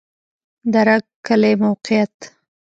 د رګ کلی موقعیت